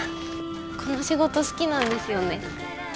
この仕事好きなんですよね。